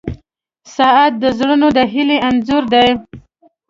• ساعت د زړونو د هیلې انځور دی.